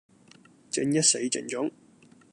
正一死剩種